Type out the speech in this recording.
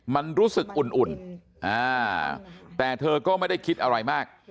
มันรู้สึกอุ่นแต่เธอก็ไม่ได้คิดอะไรมาก